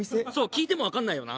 聞いてもわかんないよな。